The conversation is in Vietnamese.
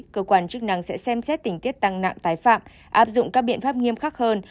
cơ quan chức năng sẽ xem xét tình tiết tăng nặng tái phạm áp dụng các biện pháp nghiêm khắc hơn